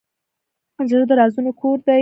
زړه د رازونو کور دی.